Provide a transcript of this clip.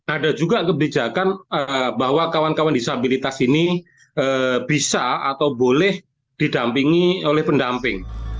ada juga kebijakan bahwa kawan kawan disabilitas ini bisa atau boleh didampingi oleh pendamping